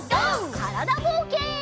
からだぼうけん。